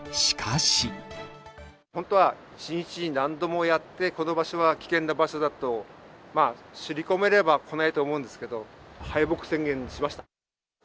本当は、１日に何度もやって、この場所は危険な場所だと刷り込めれば、来ないと思うんですけれども、敗北宣言しました。